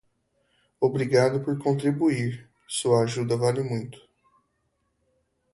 Obrigado por contribuir, sua ajuda vale muito.